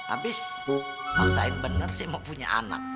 abis bu maksain bener sih mau punya anak